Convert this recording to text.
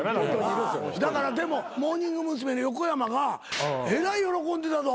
だからでもモーニング娘。の横山がえらい喜んでたど。